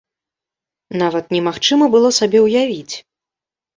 Нават немагчыма было сабе ўявіць!